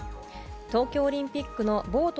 東京オリンピックのボート